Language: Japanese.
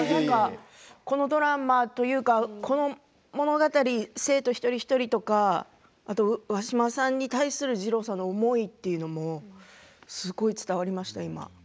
このドラマというか物語、生徒一人一人とか上嶋さんに対する二朗さんの思いというのもすごく伝わりました、今。